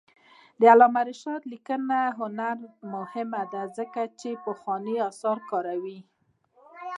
د علامه رشاد لیکنی هنر مهم دی ځکه چې پخواني آثار کاروي.